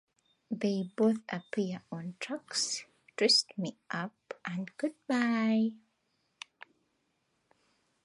They both appear on the tracks "Twist Me Up" and "Goodbye".